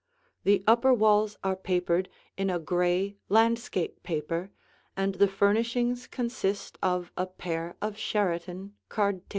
The upper walls are papered in a gray landscape paper, and the furnishings consist of a pair of Sheraton card tables.